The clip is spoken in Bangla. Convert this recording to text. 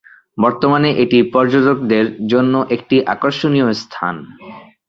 বর্তমানে এটি পর্যটকদের জন্য একটি আকর্ষণীয় স্থান।